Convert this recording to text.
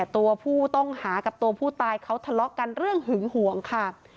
ตัวผู้ต้องหากับตัวผู้ตายเขาทะเลาะกันเรื่องหึงห่วงค่ะ